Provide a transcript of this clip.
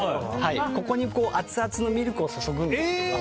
ここにアツアツのミルクを注ぐんですけど。